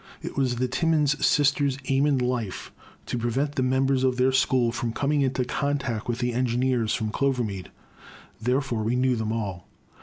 It was the Timmins sisters' aim in life to prevent the members of their school from coming into contact with the engineers from Clovermead; therefore we knew them all.